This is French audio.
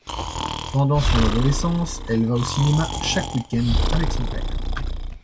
Pendant son adolescence, elle va au cinéma chaque week-end avec son père.